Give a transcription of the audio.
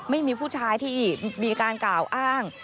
ไม่มีผู้ชายที่มีการกล่าวอ้าง